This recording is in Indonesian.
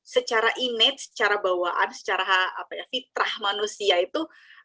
secara image secara bawaan secara fitrah manusia itu